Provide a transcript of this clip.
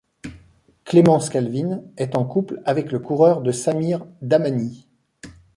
Clémence Calvin est en couple avec le coureur de Samir Dahmani.